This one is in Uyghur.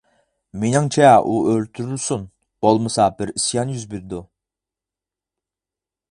مېنىڭچە ئۇ ئۆلتۈرۈلسۇن، بولمىسا بىر ئىسيان يۈز بېرىدۇ.